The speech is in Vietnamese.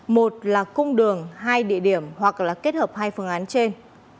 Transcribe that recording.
một là cung đường hai địa điểm hoặc là kết hợp hai phương án trên